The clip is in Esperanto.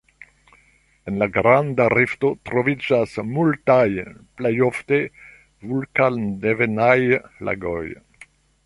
En la Granda Rifto troviĝas multaj plej ofte vulkandevenaj lagoj.